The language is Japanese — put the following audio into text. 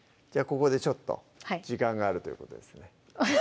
ここでちょっと時間があるということですね